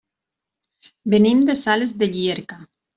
Venim de Sales de Llierca.